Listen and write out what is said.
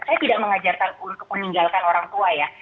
saya tidak mengajarkan untuk meninggalkan orang tua ya